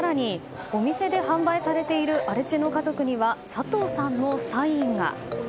更に、お店で販売されている「荒地の家族」には佐藤さんのサインが。